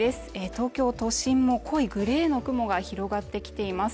東京都心も濃いグレーの雲が広がってきています